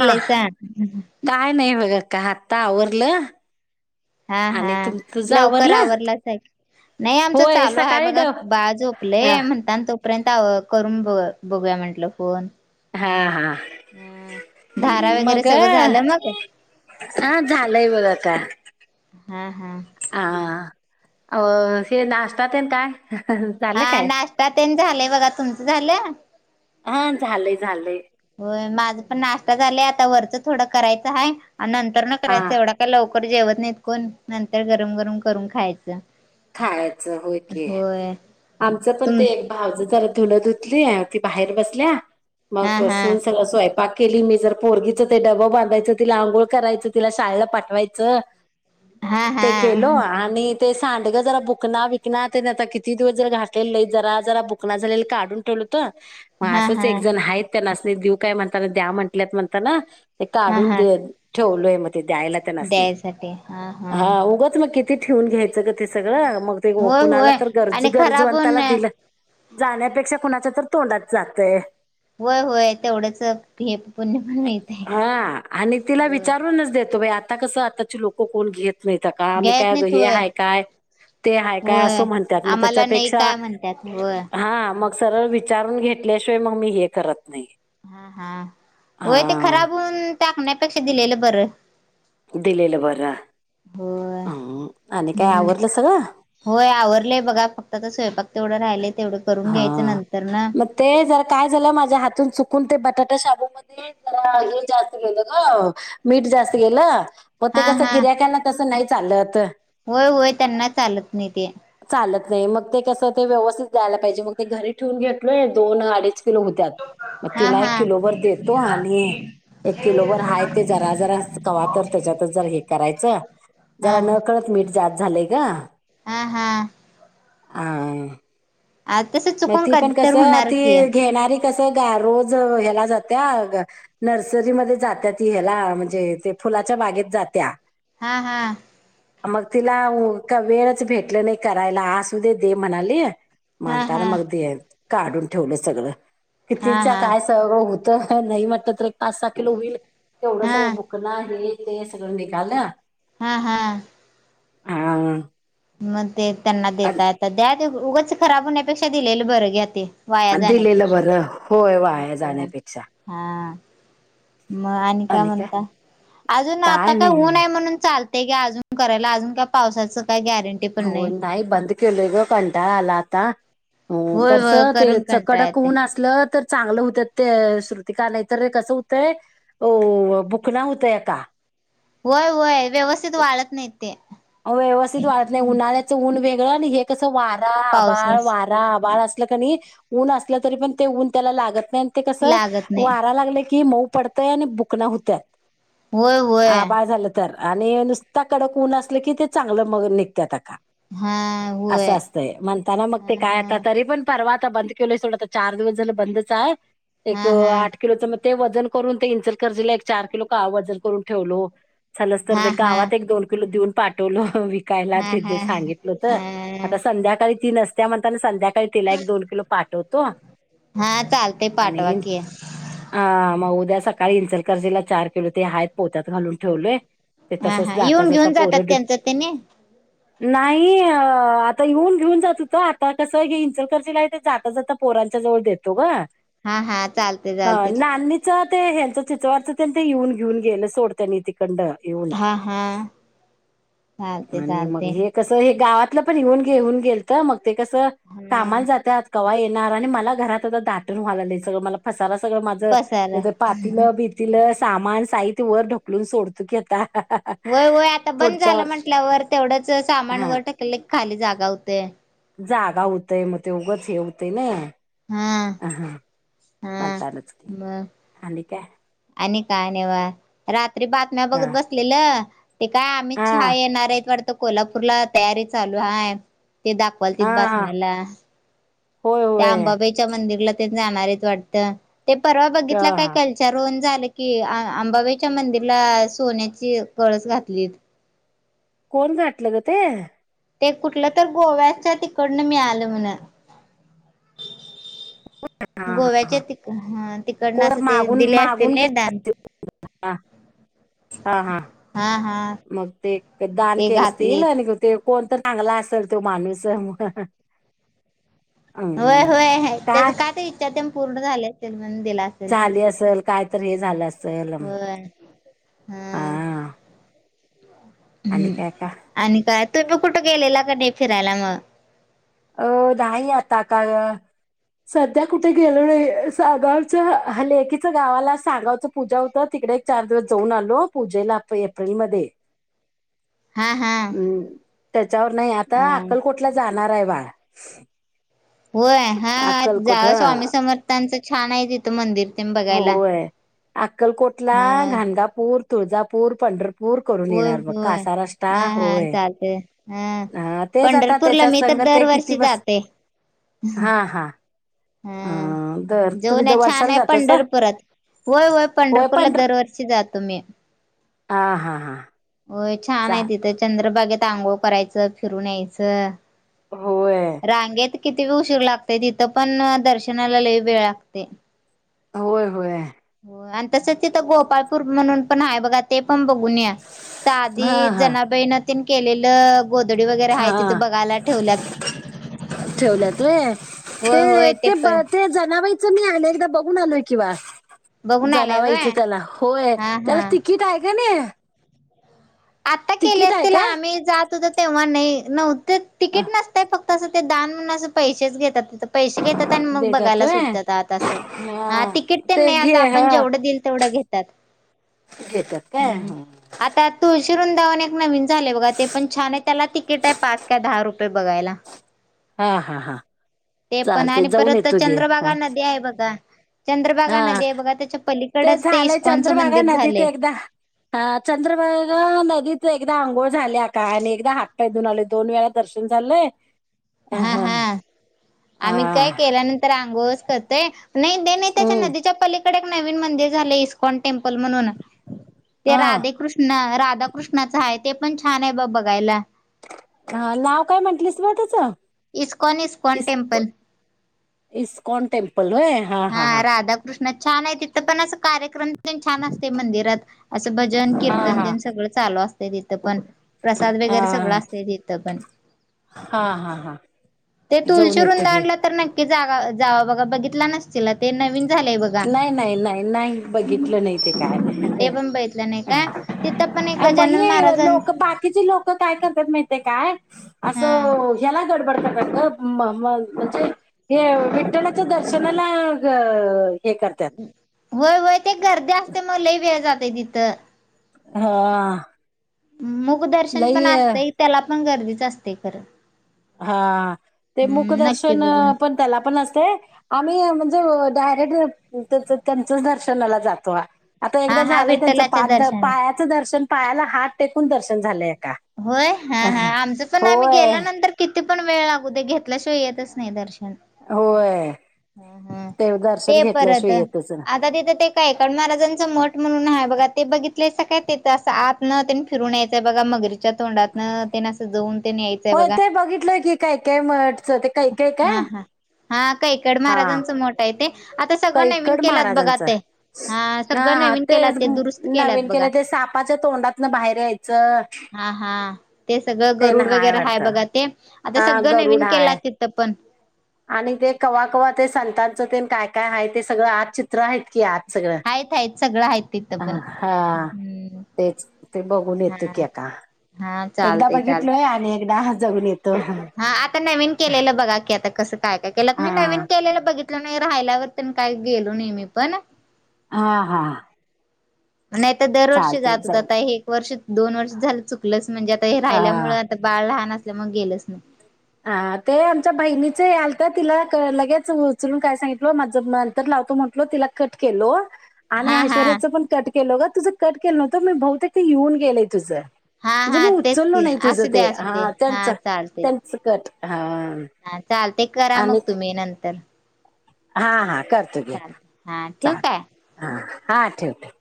हा काय नाही बघा का आत्ता आवरलं. हा हा आणि तुम तुझं लवकर आवरलं आवरलाच आहे. नाही आमचं होय चालू आहे सकाळी बघा डव बा हा झोपलेय म्हणता तो. पर्यंत करून बघूया म्हटलं फोन. हा हा ह धारा वगैरे मग. सगळं झालं मग हा झालंय बघ का. हा हा. आ श नाशता ते ना काय. ह. हा नाश्ता ते झालंय बघा तुमचं झालं हा झालंय झालंय. हो माझ पण नाश्ता झालाय आता वरचं थोडं करायचं आहे आणि नंतर न हा करायचं एवढा. लवकर जेवत नाहीत कोण नंतर गरम गरम करून खायचं. खायचं हो क. होय आमचं पण तुम ते एक भाव ज जरा धुल धुतली ती बाहेर बसल्या. हा मग हा सन स असो आहे पा. केली मी जर पोरगीचं ते डबा बांधायचं तिला आंघोळ करायचं तिला शाळेला पाठवायचं. हा हा ते केलो आणि ते सांडगं जरा बुकना विकनाने आ किती. दिस जर घले नाही जरा जरा बुकणा झाले काढून ठेवलं होत मग हा असंच हा एक जण आहेत. चणी देऊ काय म्हणता द्या म्हटत म्हणताना ते हा काढून हा ठेवलोय मग ते द्यायला. हा उग मग कि. ठेवून घ्यायचं ग ते सगळं मग ते होय कुणाला होय तर गरज आणि खराब होऊन गरजवंताला दिलं. जाण्यापेक्षा कुणाच्या तर तोंडात जातय.... होय होय तेवढंच हे पुण्य पण मिळतय. हा आणि तिला होय विचारूनच देतो आ.... आता कसं..... आ लोक कोण घेत नाही का आम्ही घ्या येत काय नाहीत हे होय आहे काय ते आहे काय असं होय म्हणतात म.... आम्हाला नाही त्याच्यापेक्षा काय म्हणत्यात होय हा मग.... सरळ विचारून घेतल्याशिवाय मग मी हे करत नाही.... हा हा होय ते हा खराब होऊन टाकण्यापेक्षा दिलेलं बरं..... दिलेलं बर होय आणि काय हम्म आवरलं सगळं. होय आवरलंय बघा फक्त आ स्वयंपाक तेवढं राहिलंय तेवढं.... करून हा घ्यायचं नंतर न मग ते जर काय झालं माझ्या हातून चुकून ते बटाटा शाबूमध्ये.... जरा हे जास्त गेलं का मीठ जास्त गेलं.... पग ते हा कसं हा गिर्याकला तसं नाही चालत.... होय होय त्यांना चालत नाही ते चालत नाही मग ते कसं ते व्यवस्थित जायला पाहिजे मग ते घरी ठेवून घेतलोय दोन अडीच किलो होते.... मग हा तिला हा एक किलोवरर देतो आणि.... एक किलोवरर हाय ते जरा जरा कवा तर त्याच्यात जर हे करायचं हा जरा न..... हा कळत मीठ जात झालंय का? हा हा..... हम..... आज तस.... मग ती पण कसं ती घेणारी कसं ग रोज ह्याला जाते.... नर्सरीमध्ये जात्या ती ह्याला म्हणजे ते फुलाच्या बागेत जात्या.... हा हा..... मग तिला का वेळच भेटलं नाही करायला आ असू दे दे म्हणाली..... हा म्हणताना हा मग काढून ठेवलं सगळ किती हा हा काय? सगळं होत नाही मटत तर एक पाच सहा किलो होईल तेवढं हा सगळं ब.... चुकना हे ते सांगून नि गा..... हा हा.... ह.... मग ते त्यांना देता येत द्या ते उगच खराब होण्यापेक्षा दिलेलं बरं घ्या ते.... वाया दिलेलं जाण्यापेक्षा बरं होय वाया जाण्यापेक्षा हा..... मग आणि काय म्हणता अजून आता काय ऊन आहे म्हणून चालत.... ते का अजून करायला अजून का पावसाचं काय गॅरंटी.... हो नाही बंद केलं ग कंटाळ आला आता... हो होय कस होय ते करून कंटाळा चकडक येतोय होऊन असलं तर.... चांगलं होत ते श्रुतिक नाही तर र कसं होतंय.... बुकणा होतय का? होय होय व्यवस्थित वाळत नाही ते.... अ व्यवस्थित वाढत नाही उन्हाळ्याचं ऊन वेगळं आणि हे कसं वारा आभाळ पावसाच वारा आभाळ अस.... ऊन असलं तरी पण ते ऊन त्याला लागत नाही ते कस लागत नाही वारा लागलं की मऊ पड.... बुक होत्या होय होय आभाळ झाल की, तर आणि नुसता कड कोण असल की ते चांगलं मग निघतत्या का.... हा असं होय असतय म्हणताना मग हा ते काय हा आता तरी पण... परवा आता बंद केलंय थोडस आता चार दिवस झालं बंदच आहे हा एक हा आठ... किलोच मग ते वजन करून ते इचकरंजी ला एक चार किलो का वजन करून ठेवलो. झालंस हा तर ते हा गावात एक दोन किलो देऊन पाठवलं विका. हा सांगितल हा आता संध्याकाळी ती नसतिया म्हण संध्या... का तिला एक दोन किलो पाठवतो हा चालते पाठवा आणि.... की हा मग उद्या सकाळी इंचलकरजीला चार किलो ते आहेत पोत्यात घालून ठेवलेय... हा हा येऊन घेऊन जातात त्यांचं त्यांनी...... नाही अ आता येऊन घेऊन जात होत आता कसं आहे इंचलकरचे लाईट आहे जाता जाता. पोरांच्या जवळ देतो ग. हा हा चालते चालते. चं ते हेंच चित्रथ त्यांचं ते येऊन घेऊन गेलं सोड तनी तिकंड येऊन हा हा चालते आणि मग चालते हे कसं हे गावातलं पण येऊन घेऊन गेलत मग ते कस हा कामाला जातात कव्हा येणार आणि मला घरात आता दाटून व्हायला लागलंय सगळं मला पसाराच सगळं माझ पसार ह्याज पातलं बी तिलं सामान साहित्य वर ढकलुन सोडतु की आता. होय होय आता बंद पुढच्या झालं वर्ष म्हंटल्यावर तेवढंच सामान हा वर ढकलं की खाली जागा होतय. जागा होतय मग ते उगच हे होतय नय हा हा म्हणतानाच की ब आणि काय आणि का नाय व रात्री बातम्या बघत हा बस केल ते काय आमित शहा हा येणार येत वाड कोल्हापुरला तयारी चालु हाय ते दाखवाल तीत हा बातम्याला होय त्या होय अंबाबाईच्या मंदिरला ते जाणारच वाटतं ते परवा बघितला काय हा कॅल विचारून झालं की आ आंबाबाईच्या मंदिरला सोन्याची कळस घातलीत. कोण घातलं ग ते ते कुठलं तर गोव्याच्या तिकडनं मिळालं म्हण. हा हा हा गोव्याच्या तिक हा तिक. कडन कोण अस ते मागून दिले असतील मागून नाय घेतलं दान असतील हा हा हा हा हा मग ते दान ते केलं असतील घातलीत आणि ते. कोणतर चांगला असल तो माणूस म होय होय त्याच काय का इच्छा तेन पूर्ण झाले असतीन म्हणून दिला अस झाली असेल काय तर हे झालं अस होय हा आणि हं काय का आणि काय तुम्ही कुठं गेलेला का नाय फिरायला मग अ नाही आता काय सध्या कुठे गेलो नाही सागावच ह लेकीचा गावाला सागावच पुजा होत तिकडे एक चार दिवस जाऊन आलो पुजेला एप्रिलमध्ये हा हा हम्म त्याच्यावर नाही आता अ अक्कलकोटला जाणार आहे बा होय हा हा जा स्वामी समर्थांच छान आहे तिथ मंदिर तेन बघ होय अक्कलकोटला घानगापुर, तुळजापुर, पंढरपुर होय होय हा हा होय चालतय हा हा तेच आता पंढरपुरला त्याच्या मी तर संग ते किती दरवर्षी बस जाते. हा हा हा. दर अ तुम्ही जाऊन दर या छान वर्षाला आहे जात पंढरपुरात होय होय पंढरपुरला पंढर दरवर्षी जातो मी. हा हा हा होय छान आहे चाल तिथं चंद्रभागेत आंघोळ करायचं फिरून यायचं होय रांगेत कितीक उशीर लागते तिथं पण दर्शनाला लय वेळ लागतय. होय होय हो आणि तसच तथं गोपाळपूर म्हणून पण हाय बघा ते पण बघून या तिथं हा आधी हा जनाबाई न तेन केलेलं गोधडी वगैरे आहे तिथे हा बघायला ठेवल्यात ठेवल्यात व्हय ते होय होय ते पण ते जनाबाई मी आले एकदा बघुन आलोय की बा बघून आलाय जनाबाईच व्हय त्याला होय हा त्याला हा. तिकीट आहे का नाई. आता केले आहे असतील काय आम्ही जात होत तेव्हा नई नव्हते तिकीट नसतय फक्त असं ते दान म्हणुन असं पैसेच घेतात पैसे घेतात आणि मग देतात बघायला व्हय सोडत्यात आता असं. हा तिकीट तर ते नाही असं घे आपण हा जेवढं दिईल तेवढं घेत घेतात काय ह् आता तुळशी वृंदावन एक नवीन झाले बघा ते पण छान आहे त्याला तिकीट आहे पाच का दहा रुपये बघायला. हा हा हा ते पण चालते आणि जाऊन परत येतो घे हा चंद्रभागा नदी आहे बघा. चंद्रभागा हा नदी आहे बघा त्याच्या पलीकडच ते झालंय इस्कॉनचं चंद्रभागा मंदिर नदीत झालंय एकदा चंद्रभागा नदीत एकदा अंघोळ झाल्या काय आणि एकदा हातपाय धुवून आलोय दोन वेळा दर्शन झालंय. हा हा आम्ही हा काय केल्यानंतर आंघोळच करते, नाही त्याच्या हम्म नदीच्या पलीकडं कड नवीन मंदिर झालय इकॉन टेम्पल म्हणून ते हा राधेकृष्ण ना राधाकृष्णाच आहे ते पण छान आहे बग बघायला. हा नाव काय म्हंटलेस मग त्याचं? इस्कॉन इस्कॉन इस्क टेम्पल इस्कॉन टेमपल व्हय हा राधाकृष्ण छान आहे तिथं पण अस कार्यक्रम तेन छान असतय मंदिरात असं भजन हा कीर्तन हा दिन सगळं चालू असतं तिथं पण प्रसाद अ वगैरे सगळं असत तिथं पण हा हा हा ते जाऊन तुलशी येतो घे वृंदावन तर नाही. जागा जा बघा बघितला नसतील ते नवीन झालेय बघ. नाही नाही नाही नाही बघितलं नाही ते काय ते पण बघितलं नाही काय तिथं पण एक मग गजानन हे महाराजांच लोक बाकीचे लोक काय करत्यात माहिती आहे काय अस हा ह्याला म्हणजे हे विठ्ठलाच्या दर्शनाला हे करतात. होय होय ते गर्दी असते मग लै वेळ जातय तिथं हा मुख दर्शन पण असतय त्याला पण गर्दीच असते खरं हा ते हम्म नक्की मुखदर्शन बघून पण त्याला पण असते. आम्ही म्हणजे डायरेक्ट त्यांचच दर्शनाला जातो. आता हा एकदा हा झालंय त्यांचं विठ्ठलाच्या पा दर्शनाला पायाचं दर्शन पायाला हात टेकून दर्शन झालंय अक्का होय हा हा आमचं पण आम्ही गेल्यानंतर किती पण वेळ लागूद्या घेतल्याशिवाय येत नाही. ते स्नेहदर्शन होय. ह हा ते दर्शन परत घेतल्याशिवाय येतच ना आता तिथं ते कैकाडी महाराजांचं मठ म्हणून आहे बघा ते बघितलयसा काय ते असं आत न फिरून यायचंय बघा मगरी च्या तोंडातन तेन अस जाऊन ते न यायचंय होय बघा ते बघितलंय की काय काय मठचं ते कैकय काय हा हा हा कैकाडी हा महाराजांचं मठं आहे ते आता सगळं नवीन कैकड केल्यात बघा महाराजांचं ते हा सगळं हा नवीन ते केलात दुरुस्त केल्यात नवीन बघा केलं ते सापाच्या तोंडातन बाहेर यायचं. हा हा ते सगळं ते ना गरुड वगैरे हाय वाटतं बघा ते आता हा सगळं गरुड नवीन हाय केलं तिथं पण आणि ते कवा कवा ते संतांचं तेन काय काय आहे ते सगळं आत चित्र आहेत की आत सगळं आहेत आहेत सगळं आहेत तिथं अ पण हा हम्म तेच ते बघून येतो हा की का हा एकदा चालतय चालतय बघितलोय आणि एकदा जाऊन येतो. [unintelligible] हा आता नवीन केलेलं बघा की आता कसं काय काय केलं मी नवीन केलेलं बघित नाही राहिल्यावर काही गेलो नाही मी पण हा हा नाहीतर दरवर्षी चालतय जात होत जाऊन आता हे एक वर्ष दोन वर्ष झालं चुकलंच म्हणजे आता हे हा राहिल्यामुळे आता बाळ लहान असल्या मग गेलंच नाही. हा ते आमच्या बहिणीच आलत तिला लगेच उचलून काय सांगितलं माझं नंतर लावतो म्ह तिला कट केलो. आणि हा हा ऐश्वर्याचं पण कट केल ग तुझं कट केलं नव्हतं मी बहुतेक येऊन गेलंय तुझं हा म्हणजे मी हा तेच उचललो की नाही तुझं असू दे ते असू दे हा त्यांच [unintelligible] सकट हा हा चाल ते करा आणि मग तुम्ही नंतर हा हा करतो घे चालते हा ठेवू चाल काय हा हा ठेव ठेव